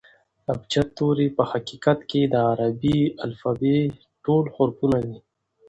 ابجد توري په حقیقت کښي د عربي الفبې ټول حرفونه دي.